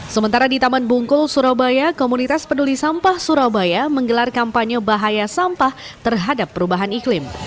sementara di taman bungkul surabaya komunitas peduli sampah surabaya menggelar kampanye bahaya sampah terhadap perubahan iklim